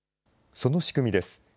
その仕組みです。